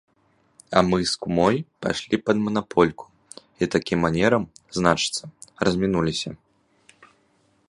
А мы з кумой пайшлі пад манапольку і такім манерам, значыцца, размінуліся.